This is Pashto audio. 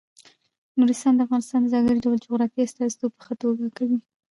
نورستان د افغانستان د ځانګړي ډول جغرافیې استازیتوب په ښه توګه کوي.